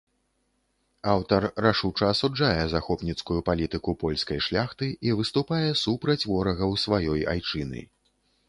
Аўтар рашуча асуджае захопніцкую палітыку польскай шляхты і выступае супраць ворагаў сваёй айчыны.